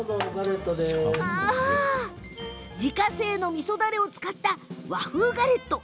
自家製のみそだれを使った和風ガレット。